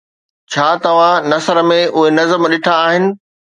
ڇا توهان نثر ۾ اهي نظم ڏٺا آهن؟